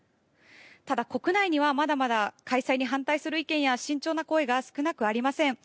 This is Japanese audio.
ただ、国内にはまだまだ開催に反対する意見や慎重な声が少なくありません。